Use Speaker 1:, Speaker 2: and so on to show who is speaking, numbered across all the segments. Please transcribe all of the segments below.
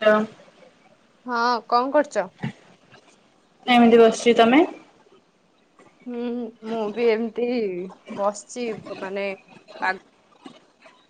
Speaker 1: ହ
Speaker 2: ହଁ କଣ କରୁଛ?
Speaker 1: ଏମିତି ବସିଛି ତମେ।
Speaker 2: ହୁଁ, ମୁଁ ବି ଏମତି ବସିଛି ମାନେ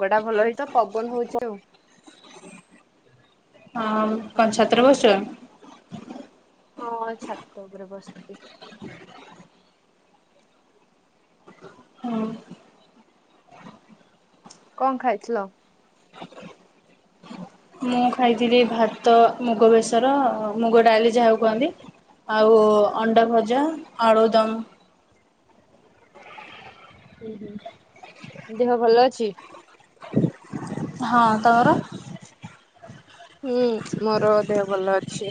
Speaker 2: ପାଗଟା ଭଲ ହେଇ ତ ପବନ ହଉଛି ଆଉ
Speaker 1: କଣ ଛାତରେ ବସିଛ?
Speaker 2: ହଁ ଛାତ ଉପରେ ବସିଛି।
Speaker 1: ହଁ
Speaker 2: କଣ ଖାଇଥିଲ?
Speaker 1: ମୁଁ ଖାଇଥିଲି ଭାତ ମୁଗ ବେସର ମୁଗ ଡାଲି ଯାହା କୁହନ୍ତି? ଆଉ ଅଣ୍ଡା ଭଜା, ଆଳୁଦମ୍।
Speaker 2: ହୁଁ ହୁଁ ଦେହ ଭଲ ଅଛି।
Speaker 1: ହଁ ତମର?
Speaker 2: ହୁଁ ମୋର ଦେହ ଭଲ ଅଛି।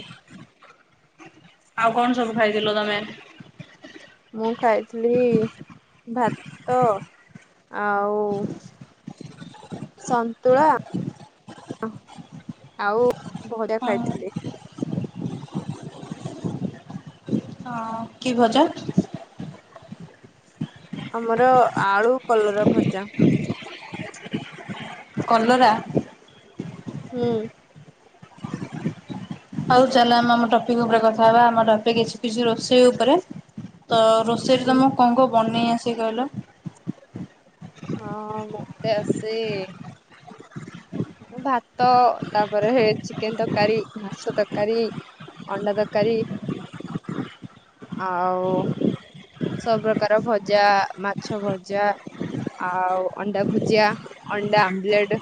Speaker 1: ଆଉ କଣ ସବୁ ଖାଇଥିଲ ତମେ?
Speaker 2: ମୁଁ ଖାଇଥିଲି ଭାତ ଆଉ ସନ୍ତୁଳା ଓ ଆଉ ବରା
Speaker 1: ହଁ
Speaker 2: ଖାଇଥିଲି।
Speaker 1: ହଁ କି ଭଜା?
Speaker 2: ଆମର ଆଳୁ କଲର ଭଜା।
Speaker 1: କଲରା।
Speaker 2: ହୁଁ ଉଁ
Speaker 1: ଆଉ ଚାଲ ଆମେ ଆମ ଟପିକ ଉପରେ କଥା ହବା ଆମ ଟପିକ କିଛି ରୋଷେଇ ଉପରେ ତ ରୋଷେଇ ରେ
Speaker 2: ହୁଁ।
Speaker 1: ତମକୁ କଣ କଣ ବନେଇ ଆସ କହିଲ
Speaker 2: ହଁ ମତେ ଆସେ। ଭାତ ତାପରେ ଚିକେନ ତରକାରୀ, ମାଛ ତରକାରୀ। ଅଣ୍ଡା ତରକାରି ଆଉ ସବୁପକାର ଭଜା ମାଛ ଭଜା ଆଉ ଅଣ୍ଡା ଭୁଜିଆ ଅଣ୍ଡା ଆମଲେଟ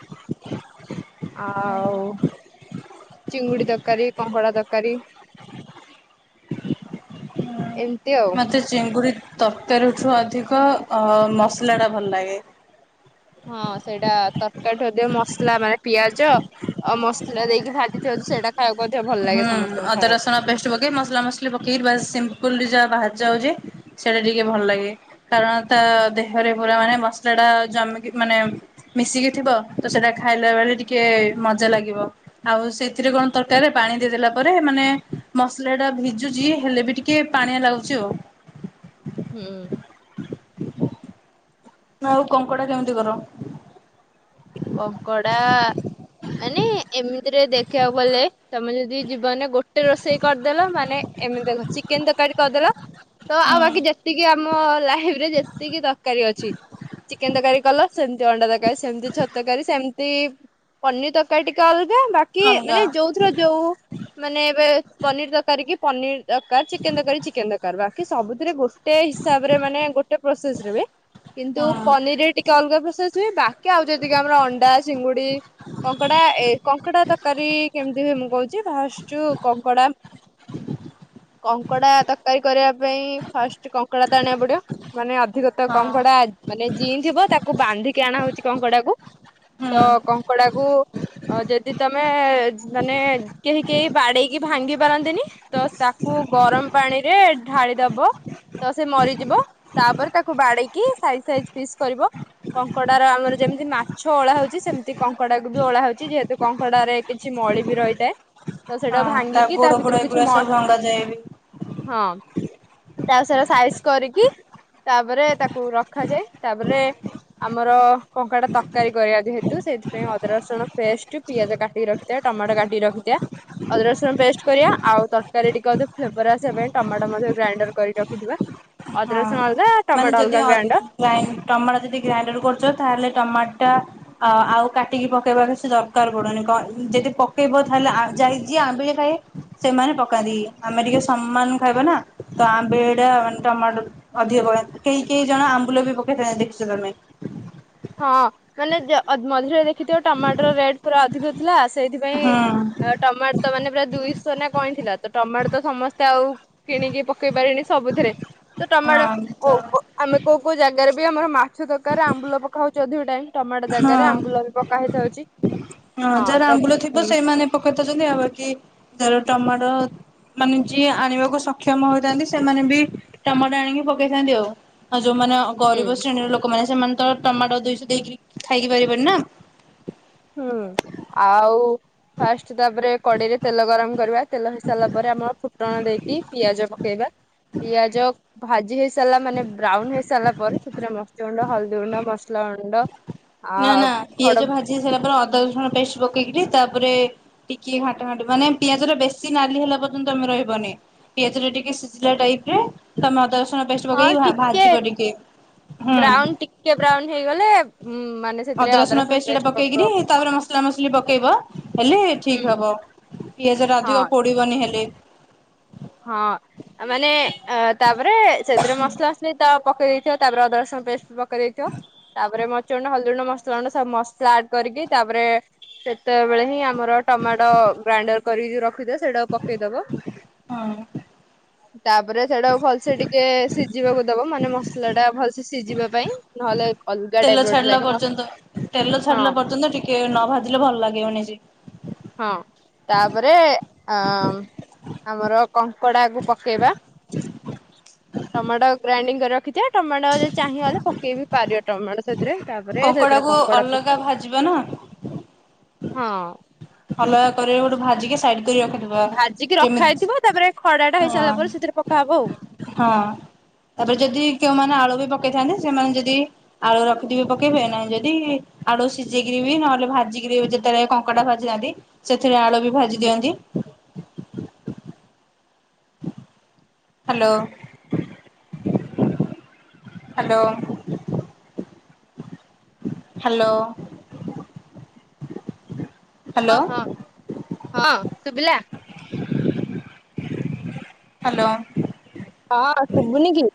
Speaker 2: ଆଉ ଚିଙ୍ଗୁଡି ତରକାରୀ କଙ୍କଡା ତରକାରୀ ଏମ
Speaker 1: ମୋତେ ଚିଙ୍ଗୁଡି ତରକାରୀଠୁ ଅଧିକ ଅ ମସଲା ଟା ଭଲ ଲାଗେ
Speaker 2: ହଁ ସେଇଟା ତରକାରୀ ଠୁ ମସଲା ମାନେ ପିଆଜ ଓ ମସଲା ଦେଇକି ଭାଜିଥାଉଛୁ ସେଇଟା ଖାଇବାକୁ ମଧ୍ୟ ଭଲ
Speaker 1: ହୁଁ
Speaker 2: ଲାଗେ ସମସ୍ତଙ୍କୁ
Speaker 1: ଅଦା
Speaker 2: ଖାଇବାକୁ
Speaker 1: ରସୁଣ ପେଷ୍ଟ ପକେଇ ମସଲା ମସଲି ପକେଇ ବାସ ସିମ୍ପଲରେ ଯାହା ବାହାରି ଯାଉଛି ସେଇଟା ଟିକେ ଭଲ ଲାଗେ କାରଣ ତା ଦେହରେ ପୁରା ମାନେ ମସଲା ଟା ଜମିକି ମାନେ ମିଶିକି ଥିବ ତ ସେଟା ଖାଇଲା ବେଳେ ଟିକେ ମଜା ଲାଗିବ ଆଉ ସେଇଥିରେ କଣ ତରକାରୀ ରା ଦେଇଦେଲା ପରେ ମାନେ ମସଲା ଟା ଭିଜୁଛି ହେଲେ ବି ଟିକେ ପାଣିଆ ଲାଗୁଛି ଆଉ
Speaker 2: ହୁଁ
Speaker 1: ଆଉ କଙ୍କଡା କେମିତି କର?
Speaker 2: କଙ୍କଡା ମାନେ ଏମିତିରେ ଦେଖିବାକୁ ଗଲେ ତମେ ଯଦି ଜୀବନରେ ଗୋଟେ ରୋଷେଇ କରିଦେଲ ମାନେ ଏମିତି ଚିକେନ ତରକାରୀ କରିଦେଲ ତ ଆଉ ବାକି
Speaker 1: ହୁଁ
Speaker 2: ଯେତିକି ଆମ ଲାଇଫରେ ଯେତିକି ତରକାରୀ ଅଛି ଚିକେନ ତରକାରୀ କଲ ସେମିତି ଅଣ୍ଡା ତରକାରୀ ସେମିତି ଛ- ସେମତି ପନିର ତରକାରୀ ଟିକେ ଅଲଗା ବାକି
Speaker 1: ଅଲଗା
Speaker 2: ମାନେ ଯୋଉ ଯୋଉ ମାନେ ଏବେ ପନିର ତରକାରୀ କି ପନିର ଦରକାର ଚିକେନ ତରକାରୀ ଚିକେନ ଦରକାର ବାସ ସବୁଥିରେ ଗୋଟେ ହିସାବରେ ମାନେ ଗୋଟେ ପ୍ରୋସେସ ରେ ବି କିନ୍ତୁ
Speaker 1: ହୁଁ
Speaker 2: ପନିର ରେ ଟିକେ ଅଲଗା ପ୍ରୋସେସ ହୁଏ ବାକି ଆଉ ଯେତି ଯେତିକି ଆମର ଅଣ୍ଡା ଚିଙ୍ଗୁଡି କଙ୍କଡା ଏ କଙ୍କଡା ତରକାରୀ କେମିତି ହୁଏ ମୁଁ କହୁଛି ଭାଜୁଛୁ କଙ୍କଡ଼ା କଙ୍କଡା ତରକାରୀ କରିବା ପାଇଁ ଫାଷ୍ଟ କଙ୍କଡା ତ ଆଣିବାକୁ ପଡିବ ମାନେ ଅଧିକତ
Speaker 1: ହଁ
Speaker 2: କଙ୍କଡା ମାନେ ଜିଇଁ ଥିବ ତାକୁ ବାନ୍ଧିକି ଆଣା ହଉଛି କଙ୍କଡାକୁ
Speaker 1: ହୁଁ
Speaker 2: ତ କଙ୍କଡାକୁ ଆଉ ଯଦି ତମେ ମାନେ କେହି କେହି ବାଡେଇକି ଭାଙ୍ଗି ପାରନ୍ତିନି ତ ତାକୁ ଗରମ ପାଣିରେ ଢାଳିଦବ ତ ସେ ମରିଯିବ ତାପରେ ତାକୁ ବାଡେଇକି ସାଇଜ ସାଇଜ ପିସ୍ କରିବ କଙ୍କଡାର ଆମର ଯେମିତି ମା - ଛଅ ଓଳା ହଉଛି ସେମିତି କଙ୍କଡା କ ବି ଓଳା ହଉଛି ଯେହେତୁ କଙ୍କଡାରେ କିଛି ମଳି ବି ରହିଥାଏ। ତ ସେଇଟା
Speaker 1: ହଁ
Speaker 2: ଭାଙ୍ଗିକି ତା
Speaker 1: ଗୋଡ ଫୋଡ
Speaker 2: ଭିତରୁ କିଛି
Speaker 1: ଏଗୁଡା
Speaker 2: ମ
Speaker 1: ସବୁ ଭଙ୍ଗା ଯାଏ ବି।
Speaker 2: ହଁ ତାପରେ ସାଇଜ କରିକି ତାପରେ ତାକୁ ରଖାଯାଏ ତାପରେ ଆମର କଙ୍କଡା ତ ତରକାରୀ କରିବା ଯେହେତୁ ସେଥିପାଇଁ ଅଦା ରସୁଣ ପେଷ୍ଟ ପିଆଜ କାଟିକି ରଖିବା ଟମାଟୋ କାଟିକୀ ରଖିବା ଅଦା ରସୁଣ ପେଷ୍ଟ କରିବା ଆଉ ତରକାରୀ ଟିକେ ଅଧେ ଫ୍ଲେଭର ଆସିବା ପାଇଁ ଟମାଟୋ ମଧ୍ୟ ଗ୍ରାଇଣ୍ଡର କରି ରଖିଥିବା ଅଦା ରସୁଣ ଅଲଗା ଟମାଟୋ ଅଲଗା ଗ୍ରାଇଣ୍ଡର
Speaker 1: ନାଇଁ ଟମାଟ ଯଦି ଗ୍ରାଇଣ୍ଡର କରୁଛ ତାହେଲେ ଟମାଟ ଟା ଆ ଆଉ କାଟିକି ପକେଇବା କି ସେ ଦରକାର ପଡୁନି କଣ ଯଦି ପକେଇବ ତାହେଲେ [unintelligible] ଖାଇ ସେମାନେ ପକାନ୍ତି ଆମେ ଟିକେ ସମ୍ମାନ ଖାଇବା ନା ତ ଆମେ ଏଇଟା ଟମାଟୋ ଅଧିକ ପକାନ୍ତି କେହି କେହି ଜଣ ଆମ୍ବୁଲ ବି ପକେଇଥାନ୍ତି ଦେଖିଛ ତମେ
Speaker 2: ହଁ ମାନେ [unintelligible] ମଝିରେ ଦେଖ ଦେଖିଥିବ ଟମାଟର ରେଟ୍ ପୁରା ଅଧିକ ଥିଲା ସେଇଥିପାଇଁ
Speaker 1: ହଁ
Speaker 2: ଟମାଟୋ ତ ମାନେ ପୁରା ଦୁଇଶହ ନା କଣଥିଲା ତ ଟମାଟୋ ତ ସମସ୍ତେ ଆଉ କିଣିକି ପକେଇ ପାରିନି ସବୁଥିରେ ତ ଟମାଟୋ
Speaker 1: ହଁ ତ
Speaker 2: ଆମେ କୋଉ କୋଉ ଜାଗାରେ ବି ଆମର ମା ଛ ତରକାର ଆମ୍ବୁଲ ପକା ହଉଛି ଅଧିକ ଟାଇମ ଟମାଟୋ ଜାଗାରେ
Speaker 1: ହଁ
Speaker 2: ଆମ୍ବୁଲ ବି ପକା ହେଇ ଥାଉଛି
Speaker 1: ହଁ ଯାହାର ଆମ୍ବୁଲ ଥିବ ସେଇମାନେ ପକେଇ ପାରୁଛନ୍ତି ଆଉ କି ଯାହାର ଟମାଟୋ ମାନେ ଯିଏ ଆଣିବାକୁ ସକ୍ଷମ ହୋଇଥାନ୍ତି ସେମାନେ ବି ଟମାୋଟୋ ଆଣିକି ପକେଇଥାନ୍ତି ଆଉ ଆଉ ଯୋଉମାନେ
Speaker 2: ହୁଁ।
Speaker 1: ଗରିବ ଶ୍ରେଣୀର ଲୋକମାନେ ସେମାନେ ତ ଟମାଟୋ ଦୁଇଶହ ଦେଇକି ଖାଇକି ପାରିବେନି ନା
Speaker 2: ହୁଁ ଆଉ ଫାଷ୍ଟ ତାପରେ କଡେଇରେ ତେଲ ଗରମ କରିବା, ତେଲ ହେଇସାରିଲା ପରେ ଆମର ଫୁଟଣ ଦେଇକି ପିଆଜ ପକେଇବା। ପିଆଜ ଭାଜି ହେଇ ସାରିଲା ମାନେ ବ୍ରାଉନ ହେଇ ସାରିଲା ପରେ ସେଥିରେ ମର୍ଚ୍ୟ ଗୁଣ୍ଡ, ହଳଦୀ ଗୁଣ୍ଡ, ମସଲା ଗୁଣ୍ଡ ଆ
Speaker 1: ନା ନା
Speaker 2: ଖଡ
Speaker 1: ପିଆଜ ଭାଜି ହେଇ ସାରିଲା ପରେ ଅଦା ରସୁଣ ପେଷ୍ଟ ପକେଇକିରି ତାପରେ ଟିକେ ଘାଟ ଘାଣ୍ଟ ମାନେ ପିଆଜରେ ବେଶୀ ନାଲି ହେଲା ପର୍ଯ୍ୟନ୍ତ ଆମେ ରହିବନି। ପିଆଜରେ ଟିକେ ସିଝିଲା ଟାଇପ ରେ ତମେ ଅଦା ରସୁଣ ପେଷ୍ଟ
Speaker 2: ହଁ
Speaker 1: ପକେଇକି
Speaker 2: ଟିକେ
Speaker 1: ଭା-ଭାଜିବ ଟିକେ। ହୁଁ।
Speaker 2: ବ୍ରାଉନ ଟିକେ ବ୍ରାଉନ୍ ହେଇଗଲେ ମାନେ ସେଥିରେ
Speaker 1: ଅଦା ରସୁଣ ପେଷ୍ଟଟା
Speaker 2: ପେଷ୍ଟ
Speaker 1: ପକେଇକିରି
Speaker 2: ପକ
Speaker 1: ତାପରେ ମସ୍ ମସଲା ମସଲି ପକେଇବ ହେଲେ
Speaker 2: ହୁଁ
Speaker 1: ଠିକ୍ ହେବ ପିଆଜଟା
Speaker 2: ହଁ
Speaker 1: ଅଧିକ ପୋଡ଼ିବନି ହେଲେ।
Speaker 2: ହଁ। ମାନେ ଅ ତାପରେ ସେଥିରେ ମସଲା ମସଲି ତ ପକେଇ ଦେଇଥିବ ତାପରେ ଅଦାରସୁଣ ପେଷ୍ଟ ପ ଇଥିବ ତାପରେ ମ ମରିଚ ଗୁଣ୍ଡ, ହଳଦୀ ଗୁଣ୍ଡ, ମସଲା ଗୁଣ୍ଡ ସବୁ ମସଲା ଆଡ୍ କରିକି ତାପରେ ସେତେବେଳେ ହିଁ ଆ ଆମର ଟମାଟୋ ଗ୍ରାଇଣ୍ଡର କରିକ ଯଉ ରଖିଥିବ ସେଇଟାକୁ ପକେଇଦବ।
Speaker 1: ହଁ।
Speaker 2: ତାପରେ ସେଟା ଭଲସେ ଟିକେ ସିଝିବାକୁ ଦବ ମାନେ ମସଲା ଟା ଭଲସେ ସିଝିବା ପାଇଁ। ନହେଲେ ଅଲ
Speaker 1: ତେଲ ଛାଡିଲା ପର୍ଯ୍ୟନ୍ତ ତେଲ
Speaker 2: ହଁ
Speaker 1: ଛାଡିଲା ପର୍ଯ୍ୟନ୍ତ ଟିକେ ନ ଭାଜିଲେ ଭଲ ଲାଗିବନି ବି।
Speaker 2: ହଁ ତାପରେ ଅ ଆମର କଙ୍କଡା କୁ ପକେଇବା ଟମାଟୋ ଗ୍ରାଇଣ୍ଡିଙ୍ଗ କରି ରଖିଥିବା ଟମାଟୋ ଚାହିଁବ ଯଦି ପକେଇ ବିି ପାରିବ ଟମାଟୋ ସେଥିରେ। ତାପରେ ସେଥିରେ
Speaker 1: କଙ୍କଡାକୁ
Speaker 2: କଙ୍କଡ ପକ୍,
Speaker 1: ଅଲଗା ଭାଜିବା ନା
Speaker 2: ହଁ।
Speaker 1: ଅଲଗା କରି ଗୋଟେ ଭାଜିକି ସାଇଡ କରି ରଖିଦବୁ।
Speaker 2: ଭାଜିକି ରଖା ହେଇଥିବ ତାପରେ ଖଡା ଟା
Speaker 1: ହଁ
Speaker 2: ହେଇସାରିଲା ପରେ ସେଥିରେ ପକାହବ ଆଉ।
Speaker 1: ହଁ ତାପରେ ଯଦି କେଉଁମାନେ ଆଳୁ ବି ପକେଇଥାନ୍ତି ସେମାନେ ଯଦି ଆଳୁ ରଖିଥିବି ପକେଇବେ ନାହିଁ ଯଦି ଆଳୁ ସିଝେଇକିରି ବି ନହେଲେ ଭାଜିକରି ଯେତେବେଳେ କଙ୍କଡା ଭା ଞ୍ଚା ବି ସେଥିରେ ଆଳୁ ବି ଭାଜି ଦିଅନ୍ତି। ହ୍ୟାଲୋ। ହ୍ୟାଲୋ। ହ୍ୟାଲୋ। ହ୍ୟାଲୋ
Speaker 2: ଓହଁ ହଁ, ଶୁଭିଲା?
Speaker 1: ହ୍ୟାଲୋ।
Speaker 2: ହଁ ଶୁଭୁନି କି?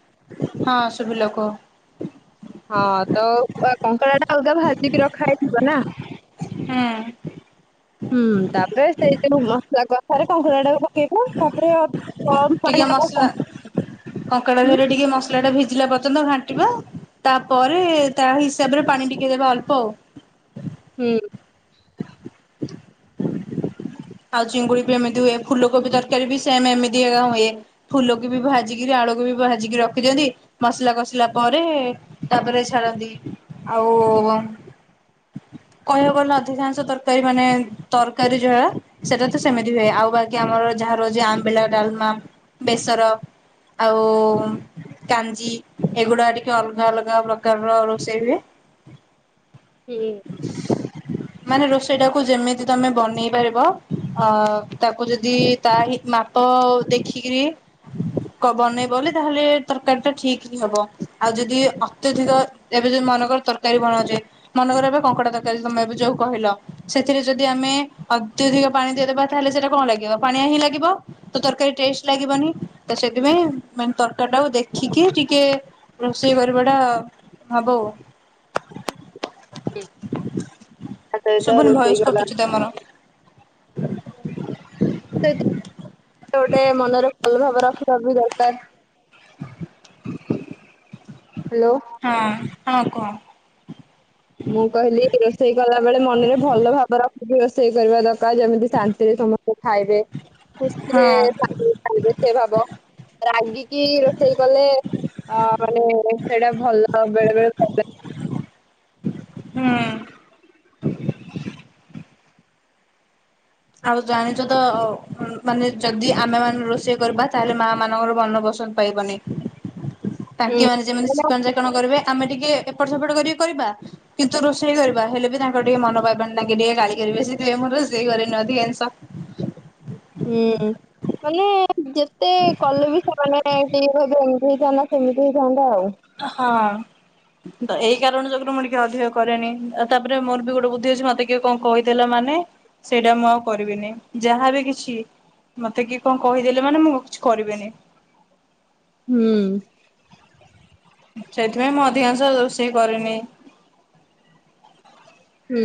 Speaker 1: ହଁ ଶୁଭିଲା, କହ।
Speaker 2: ହଁ ତ କଙ୍କଡା ଟା ଅଲଗା ଭାଜିକି ରଖା ହେଇଥିବ, ନା?
Speaker 1: ହୁଁ
Speaker 2: ହୁଁ ତାପରେ ସେଇ ଯୋଉ ମସଲା କସାରେ କଙ୍କଡା ଟା ପକେଇବ ତାପରେ ଅ
Speaker 1: ଟିକେ ମସଲା କଙ୍କଡା ଦିହରେ ଟିକେ ମସ ମସଲା ଟା ଭିଜିଲା ପର୍ଯ୍ୟନ୍ତ ଘାଣ୍ଟିବା, ତାପରେ ତା ହିସାବରେ ପାଣି ଟିକେ ଦେବା ଅଳ୍ପ ଆଉ।
Speaker 2: ହୁଁ।
Speaker 1: ଆଉ ଚିଙ୍ଗୁଡି ବି ଏମିତି ହୁଏ ଫୁଲକୋବି ତରକାରୀ ବି ସେମ ଏମିତି ହିଁ ହୁଏ। ଫୁଲକୁ ବି ଭାଜିକରି ଆଳୁକୁ ବି ଭାଜିକି ରଖି ଦିଅନ୍ତି। ମସଲା କଷିଲା ପରେ ତାପରେ ଛାଡନ୍ତି ଆଉ କହିବାକୁ ଗଲେ ଅଧିକାଂଶ ତରକାରୀ ମାନେ, ତରକାରୀ ଯାହା ସେଟା ତ ସେମିତି ହୁଏ, ଆଉ ବାକି ଆମର ଯାହା ରହୁଛି ଆମ୍ବିଳା ଡାଲମା, ବେସର ଆଉ କାଞ୍ଜି ଏଗୁଡା ଟିକେ ଅଲଗା ଅଲଗା ପ୍ରକାରର ରୋଷେଇ ହୁଏ।
Speaker 2: ହୁଁ।
Speaker 1: ମାନେ ରୋଷେଇ ଟାକୁ ଯେମିତି ତମେ ବନେଇ ପାରିବ। ଅ ତାକୁ ଯଦି ତା ହି ମାପ ଦେଖିକିରି କ ବନେଇ ବଲେ ତାହେଲେ ତରକାରୀ ଟା ଠିକ ହିଁ ହବ ଆଉ ଯଦି ଅତ୍ୟଧିକ। ଏବେ ଯୋଉ ମନକର ତରକାରୀ ବନଉଚେ ମନକର ଏବେ କଙ୍କଡା ତରକାରୀ ତମେ ଏବେ ଯୋଉ କହିଲ। ସେଥିରେ ଯଦି ଆମେ ଅତ୍ୟଧିକ ପାଣି ଦେଇଦବା ତାହେଲେ ସେଇଟା କଣ ଲାଗିବ ପାଣିଆ ହିଁ ଲାଗିବ। ତ ତରକାରୀ ଟେଷ୍ଟ ଲାଗିବନି ତ ସେଥିପାଇଁ ମାନେ ତରକାରୀ ଟାକୁ ଦେଖିକି ଟିକେ। ରୋଷେଇ କରିବା ଟା ହବ।
Speaker 2: ହ ଆଉ ସେଇଟା‌
Speaker 1: ଶୁଭୁନି
Speaker 2: ରୋଷେଇ
Speaker 1: ଭଏସ
Speaker 2: ଗଲା।
Speaker 1: କଟୁଛି ତମର
Speaker 2: ସେ ଗୋଟେ ମନରେ ଭଲ ଭାବ ରଖିବା ବି ଦରକାର। ହାଲୋ।
Speaker 1: ହଁ ହଁ କୁହ।
Speaker 2: ମୁଁ କହିଲି ରୋଷେଇ କଲା ବେଳେ ମନରେ ଭଲ ଭାବ ରଖିକି ରୋଷେଇ କରିବା ଦରକାର।। ଯେମିତି ଶାନ୍ତିରେ ସମସ୍ତେ ଖାଇବେ ଖୁସିରେ
Speaker 1: ହଁ
Speaker 2: ଖାଇ [unintelligible] ରାଗିକି ରୋଷେଇ କଲେ ଆ ମାନେ ସେଇଟା ଭଲ ବେଳେ ବେଳେ।
Speaker 1: ହୁଁ। ଆଉ ଜାଣିଛ ତ ଉଁ ମାନେ ଯଦି ଆମେ ମାନେ ରୋଷେଇ କରିବା ତାହେଲେ ମା ମାନଙ୍କର ମନ ପସନ୍ଦ। ପାଇବନି ତାଙ୍କେ
Speaker 2: ହୁଁ
Speaker 1: ମାନେ ଯେମିତି ଚିକଣ ଚା ଚିକଣ କରିବେ ଆମେ ଟିକେ ଏପଟ ସେପଟ କରିକି କରିବା। କିନ୍ତୁ ରୋଷେଇ କରିବା ହେଲେ ବି ତାଙ୍କ ଟିକେ ମନ ପାଇବନି ତାଙ୍କେ ଟିକେ ଗାଳି କରିବେ, ସେଥି ପାଇଁ ମୁଁ ରୋଷେଇ କରେନି ଅଧି [unintelligible]
Speaker 2: ହୁଁ ମାନେ ଯେତେ କଲେ ବି ସେମାନେ। ଟି ହେବ ଏମିତି ହେଇଥାନ୍ତା ସେମିତି ହେଇଥାନ୍ତା ଆଉ।
Speaker 1: ହଁ। ତ ଏଇ କାରଣ ଯୋଗରୁ ମୁଁ ଟିକେ ଅଧିକ କରେନି ଆଉ ତାପରେ ମୋର ବି ଗୋଟେ ବୁଦ୍ଧି ଅଛି ମତେ କିଏ କଁ କହିଦେଲା ମାନେ। ସେଇଟା ମୁଁ ଆଉ କରିବିନି, ଯାହାବି କିଛି। ମତେ କିଏ କଁ କହିଦେଲେ ମାନେ ମୁଁ ଆଉ କିଛି କରିବିନି।
Speaker 2: ହୁଁ।
Speaker 1: ସେଇଥିପାଇଁ ମୁଁ ଅଧିକାଂଶ ରୋଷେଇ କରେନି।
Speaker 2: ହୁଁ।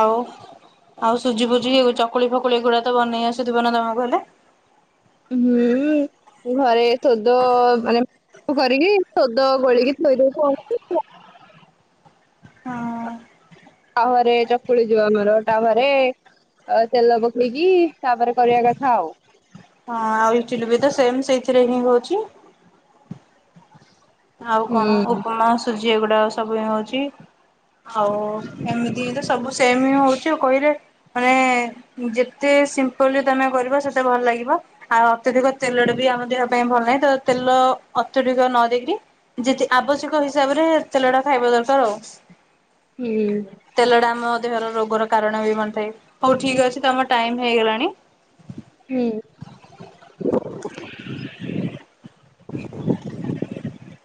Speaker 1: ଆଉ ଆଉ ସୁଜି ଫୁଜି ଏ ଚକୁଳି ଫକୁଳି ଏଗୁଡା ତ ବନେଇ ଆସୁଥିବ ନା ତମକୁ ହେଲେ?
Speaker 2: ହୁଁ ଘରେ ସୋଦ ମାନେ। ସବୁ କରିକି ଶୋଦ ଗୋଳେଇକି ଥୋଇଦଉ ଥାଉ।
Speaker 1: ହଁ।
Speaker 2: ତାୱା ରେ ଚକୁଳି ଯୋଉ ଆମର ତାୱା ରେ। ତାୱା ରେ ତେଲ ପକେଇକି ତାପରେ କରିବା କଥା ଆଉ।
Speaker 1: ହଁ ଆଉ ଇତିଲି ବି ତ ସେମ ସେଇଥିରେ ହିଁ ହଉଛି। ଆଉ କଣ
Speaker 2: ହୁଁ
Speaker 1: ଉପମା ସୁଜି ଏଗୁଡା ସବୁ ହଉଛି। ଆଉ ଏମିତି ହିଁ ତ ସବୁ ସେମ ହି ହଉଛି କହିରେ। ମାନେ ଯେତେ ସିମ୍ପଲି ତମେ କରିବ ସେତେ ଭଲ ଲାଗିବ। ଆଉ ଅତ୍ୟଧିକ ତେଲ ଟେ ବି ଆମ ଦେହ ପାଇଁ ଭଲ ନାହିଁ ତ ତେଲ ଅତ୍ୟଧିକ ନ ଦେଇକିରି। ଯେତି ଆବଶ୍ୟକ ହିସାବରେ ତେଲ ଟା ଖାଇବା ଦରକାର ଆଉ।
Speaker 2: ହୁଁ।
Speaker 1: ତେଲଟା ଆମ ଦେହର ରୋଗର କାରଣ ବି ବନି ଥାଏ ହଉ ଠିକ ଅଛି ତମ ଟାଇମ ହେଇଗଲାଣି।
Speaker 2: ହୁଁ।